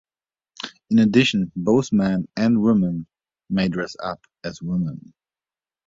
In addition, both men and women may dress up as women.